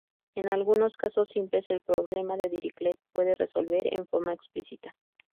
En algunos casos simples el problema de Dirichlet puede resolverse en forma explícita.